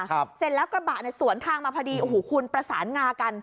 เสร็จแล้วกระบะเนี้ยสวนทางมาพอดีโอ้โหคุณประสานงากัน